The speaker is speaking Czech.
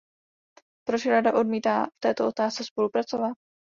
Proč Rada odmítá v této otázce spolupracovat?